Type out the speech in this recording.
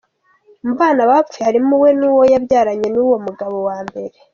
Mu bana bapfuye harimo uwe n’uwo yabyaranye n’uwo mugabo wa mbere.